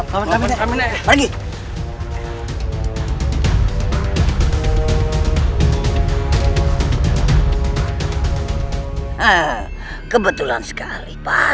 sudah lari ke belakang sana